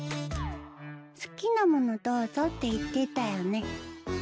好きなものどうぞって言ってたよね。